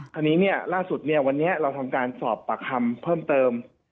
คราวนี้ล่าสุดวันนี้เราทำการสอบปากคำเพิ่มเติม